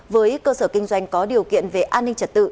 với cơ sở kinh doanh có điều kiện về an ninh trật tự